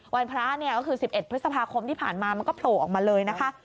พระเนี่ยก็คือ๑๑พฤษภาคมที่ผ่านมามันก็โผล่ออกมาเลยนะคะ